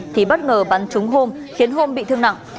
thì bất ngờ bắn trúng hôm khiến hôm bị thương nặng